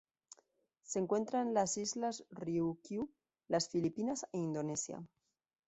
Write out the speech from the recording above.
Se encuentran en las Islas Ryukyu, las Filipinas e Indonesia.